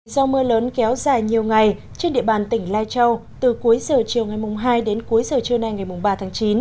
do mưa lớn kéo dài nhiều ngày trên địa bàn tỉnh lai châu từ cuối giờ chiều ngày hai đến cuối giờ trưa nay ngày ba tháng chín